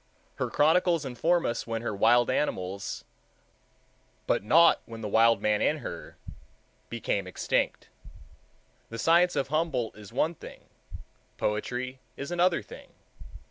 Her chronicles inform us when her wild animals, but not when the wild man in her, became extinct. The science of Humboldt is one thing, poetry is another thing.